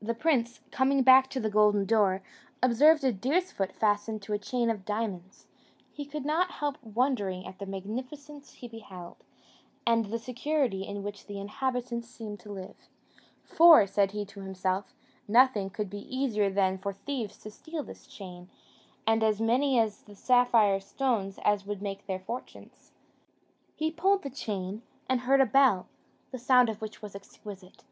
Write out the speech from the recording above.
The prince, coming back to the golden door, observed a deer's foot fastened to a chain of diamonds; he could not help wondering at the magnificence he beheld, and the security in which the inhabitants seemed to live; "For," said he to himself, "nothing could be easier than for thieves to steal this chain, and as many of the sapphire stones as would make their fortunes." He pulled the chain, and heard a bell, the sound of which was exquisite.